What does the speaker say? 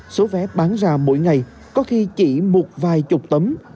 số vé bán ra mỗi ngày có khi chỉ một vài chục tấm